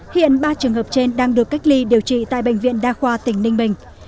hiện ba trường hợp trên đang được cách ly điều trị tại bệnh viện đa khoa tỉnh ninh bình